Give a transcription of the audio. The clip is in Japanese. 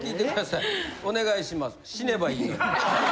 死ねばいいのに。